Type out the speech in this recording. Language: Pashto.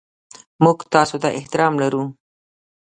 موږ تاسو ته احترام لرو.